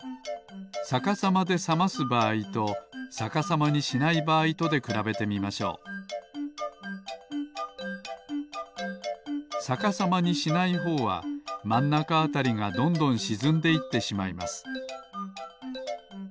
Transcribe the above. さかさまでさますばあいとさかさまにしないばあいとでくらべてみましょうさかさまにしないほうはまんなかあたりがどんどんしずんでいってしまいます